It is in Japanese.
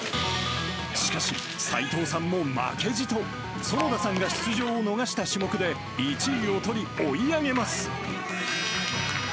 しかし、齋藤さんも負けじと、園田さんが出場を逃した種目で１位をとり追い上げます。